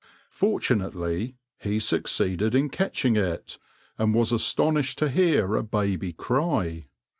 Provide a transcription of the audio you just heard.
Fortunately, he succeeded in catching it, and was astonished to hear a baby cry.